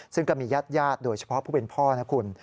ซึ่งก็มีญาติญาติโดยเฉพาะผู้เป็นพ่อนะคุณ